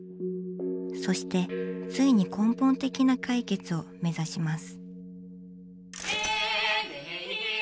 そしてついに根本的な解決を目指します。